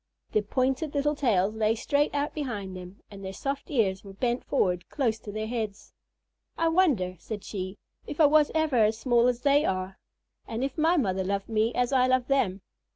Their pointed little tails lay straight out behind them, and their soft ears were bent forward close to their heads. "I wonder," said she, "if I was ever as small as they are, and if my mother loved me as I love them."